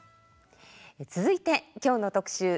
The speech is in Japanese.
続いては、きょうの特集